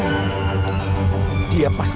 jangan sampai dia ketahuan tahuan